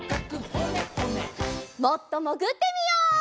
もっともぐってみよう！